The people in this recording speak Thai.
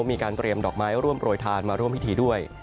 มีการเตรียมดอกไม้ร่วมโรยทานมาร่วมพิธีด้วย